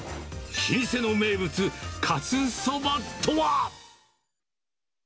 老舗の名物、かつそばとは。